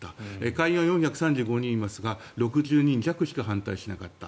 下院は４３５人いますが６０人弱しか反対しなかった。